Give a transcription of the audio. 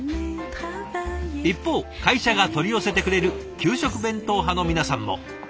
一方会社が取り寄せてくれる給食弁当派の皆さんも。